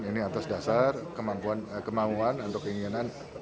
ini atas dasar kemampuan kemampuan atau keinginan